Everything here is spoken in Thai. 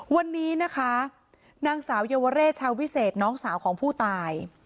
วันนี้นะคะนางสาวเยาวเรชาวิเศษน้องสาวของผู้ตาย